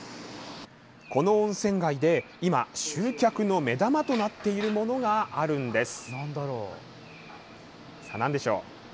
この温泉街で、今集客の目玉となっているものがあるんです。